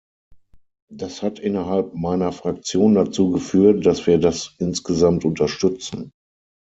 Das hat innerhalb meiner Fraktion dazu geführt, dass wir das insgesamt unterstützen.